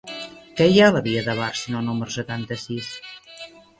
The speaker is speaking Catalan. Què hi ha a la via de Bàrcino número setanta-sis?